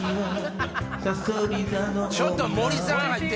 ちょっと森さん入ってる。